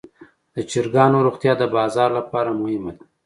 د چرګانو روغتیا د بازار لپاره مهمه ده.